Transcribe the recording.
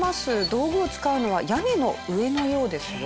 道具を使うのは屋根の上のようですよ。